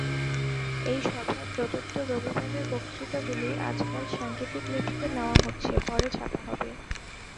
এই সভায় প্রদত্ত রবিবারের বক্তৃতাগুলি আজকাল সাঙ্কেতিক লিপিতে নেওয়া হচ্ছে, পরে ছাপা হবে।